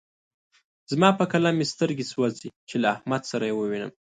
زما په قلم مې سترګې سوځې چې له احمد سره يې ووينم.